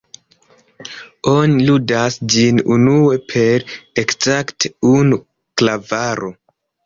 Oni ludas ĝin unue per ekzakte unu klavaro.